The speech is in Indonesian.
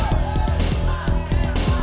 gak boleh bilang ke dia